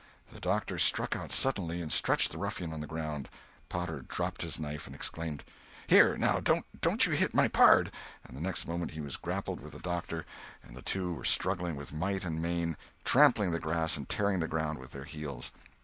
The doctor struck out suddenly and stretched the ruffian on the ground. Potter dropped his knife, and exclaimed: "Here, now, don't you hit my pard!" and the next moment he had grappled with the doctor and the two were struggling with might and main, trampling the grass and tearing the ground with their heels.